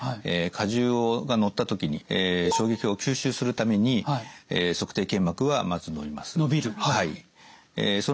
荷重がのった時に衝撃を吸収するために足底腱膜はまず伸びます。